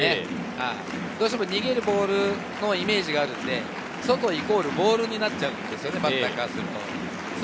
どうしても逃げるボールのイメージがあるので、外イコールボールになっちゃうんですよね、バッターからすると。